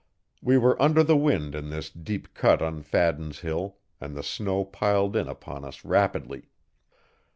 We were under the wind in this deep cut on Fadden's Hill, and the snow piled in upon us rapidly.